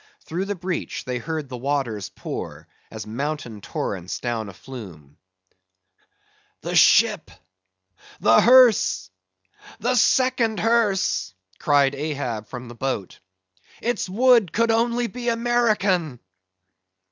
Through the breach, they heard the waters pour, as mountain torrents down a flume. "The ship! The hearse!—the second hearse!" cried Ahab from the boat; "its wood could only be American!"